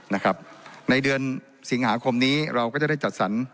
ในเดือนสิงหาคมนี้เราก็จะได้จัดสรร